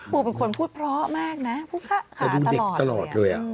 ปูเป็นคนพูดเพราะมากนะพูดขาดตลอดเลย